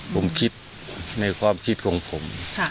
ผมคิดในความคิดของผม